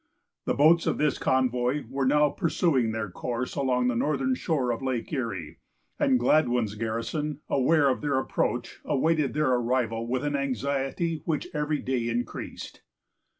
The boats of this convoy were now pursuing their course along the northern shore of Lake Erie; and Gladwyn's garrison, aware of their approach, awaited their arrival with an anxiety which every day increased.